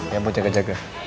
ya ampun jaga jaga